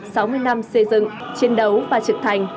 sáu mươi năm xây dựng chiến đấu và trưởng thành